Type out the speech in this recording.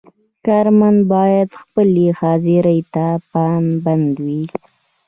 کارمند باید خپلې حاضرۍ ته پابند وي.